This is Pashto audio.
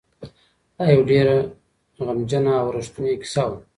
دا یوه ډېره غمجنه او رښتونې کیسه ده.